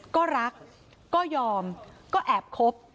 ก็รักก็ยอมก็แอบคบ